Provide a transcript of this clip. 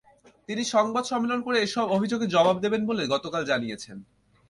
তিনি সংবাদ সম্মেলন করে এসব অভিযোগের জবাব দেবেন বলে গতকাল জানিয়েছেন।